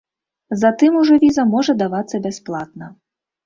Затым ужо віза можа давацца бясплатна.